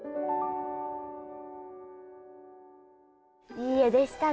いい画でしたね。